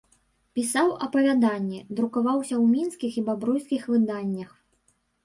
Пісаў апавяданні, друкаваўся ў мінскіх і бабруйскіх выданнях.